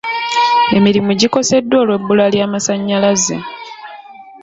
Emirimu gikoseddwa olw'ebbula ly'amasanyalaze.